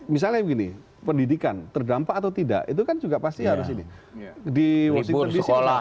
misalnya begini pendidikan terdampak atau tidak itu kan juga pasti harus ini